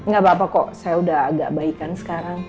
gapapa kok saya udah agak baikan sekarang